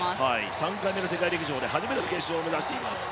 ３回目の世界陸上で初めての決勝を目指しています。